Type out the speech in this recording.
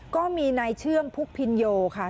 ก็มีนายเชื่อมพุกพินโยค่ะ